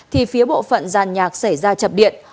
thì phía bộ phận giàn nhạc xảy ra chập điện